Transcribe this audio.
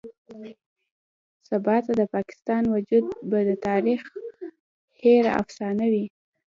سباته د پاکستان وجود به د تاريخ هېره افسانه وي.